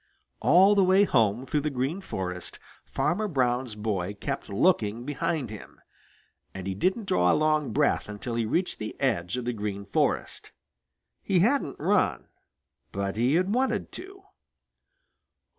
All the way home through the Green Forest, Farmer Brown's boy kept looking behind him, and he didn't draw a long breath until he reached the edge of the Green Forest. He hadn't run, but he had wanted to.